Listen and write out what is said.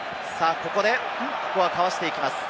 ここは、かわしていきます。